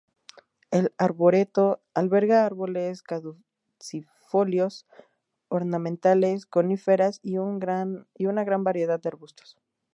El arboreto alberga árboles caducifolios, ornamentales, coníferas, y una gran variedad de arbustos.